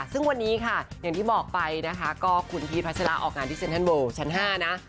ซึ่งวันนี้ค่ะอย่างที่บอกไปนะคะก็คุณพีชพัชระออกงานที่เซ็นทรัลเวิลชั้น๕นะ